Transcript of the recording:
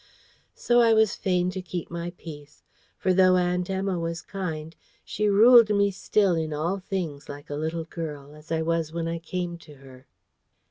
So I was fain to keep my peace; for though Aunt Emma was kind, she ruled me still in all things like a little girl, as I was when I came to her.